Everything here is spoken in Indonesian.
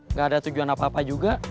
nggak ada tujuan apa apa juga